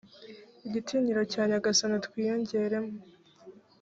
igitinyiro cya nyagasani twiyongeremo